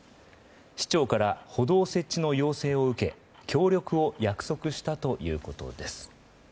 市長から歩道設置の要請を受け協力を約束したということです。